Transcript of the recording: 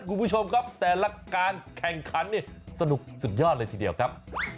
คุณผู้ชมครับแต่ละการแข่งขันเนี่ยสนุกสุดยอดเลยทีเดียวครับ